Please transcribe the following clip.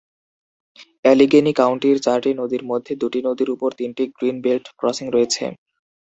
Allegheny কাউন্টির চারটি নদীর মধ্যে দুটি নদীর উপর তিনটি গ্রীন বেল্ট ক্রসিং রয়েছে।